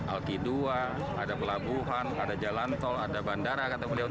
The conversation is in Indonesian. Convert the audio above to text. alki dua ada pelabuhan ada jalan tol ada bandara